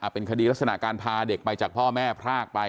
เป็นคดีลักษณะการพาเด็กไปจากพ่อแม่พรากไป